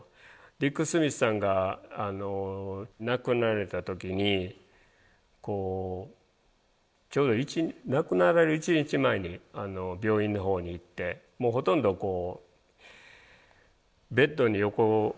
ディック・スミスさんが亡くなられた時にこうちょうど亡くなられる１日前に病院のほうに行ってもうほとんどベッドに横たわれて抜け殻の状態ですね。